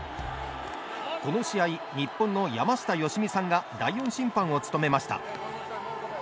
この試合、日本の山下良美さんが第４審判を務めました。